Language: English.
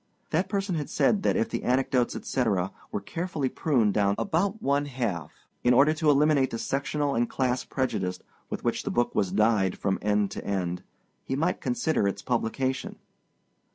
That person had said that if the anecdotes, etc., were carefully pruned down about one half, in order to eliminate the sectional and class prejudice with which the book was dyed from end to end, he might consider its publication.